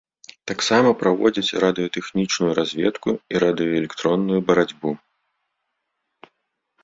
Таксама праводзіць радыётэхнічную разведку і радыёэлектронную барацьбу.